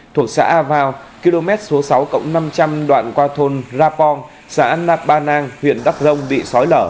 thuộc xã a vào km số sáu năm trăm linh đoạn qua thôn rapong xã an nạp ba nang huyện đắk rông bị sói lở